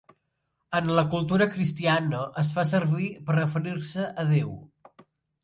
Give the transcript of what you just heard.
En la cultura cristiana es fa servir per referir-se a Déu.